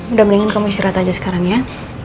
udah mendingan kamu istirahat aja sekarang ya